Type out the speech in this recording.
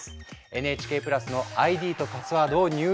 ＮＨＫプラスのＩＤとパスワードを入力